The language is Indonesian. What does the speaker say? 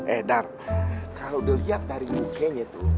eh dar kalau dilihat dari mukanya tuh